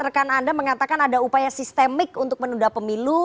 rekan anda mengatakan ada upaya sistemik untuk menunda pemilu